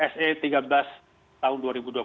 se tiga belas tahun dua ribu dua puluh satu